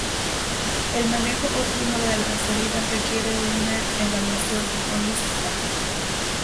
El manejo óptimo de las heridas requiere una evaluación holística.